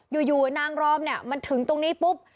อยู่นางรอมเนี่ยมันถึงตรงนี้ปุ๊บ